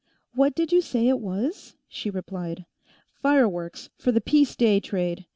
"What did you say it was?" she replied. "Fireworks, for the Peace Day trade.